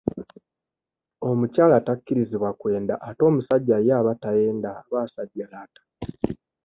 Omukyala takkirizibwa kwenda ate omusajja ye aba tayenda aba asajjalaata.